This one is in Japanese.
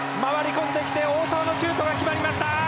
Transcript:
回り込んできて大澤のシュートが決まりました！